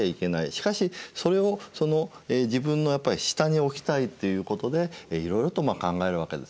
しかしそれをその自分の下に置きたいということでいろいろとまあ考えるわけですね。